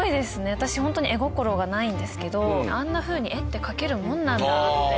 私ホントに絵心がないんですけどあんなふうに絵って描けるものなんだって。